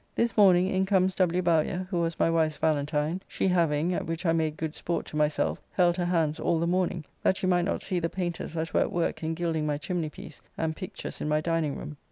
This morning in comes W. Bowyer, who was my wife's Valentine, she having, at which I made good sport to myself, held her hands all the morning, that she might not see the paynters that were at work in gilding my chimney piece and pictures in my diningroom.